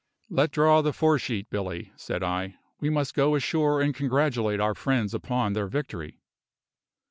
"Let draw the fore sheet, Billy," said I. "We must go ashore and congratulate our friends upon their victory."